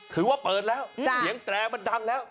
ถือว่าเปิดแล้วเสียงแตรมันดังแล้ว